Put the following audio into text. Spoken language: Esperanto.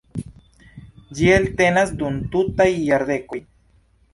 Ĝi eltenas dum tutaj jardekoj.